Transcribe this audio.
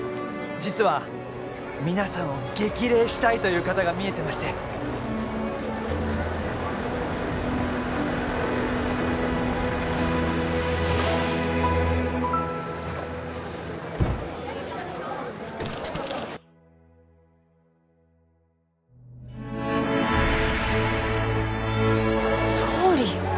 実は皆さんを激励したいという方がみえてまして総理！？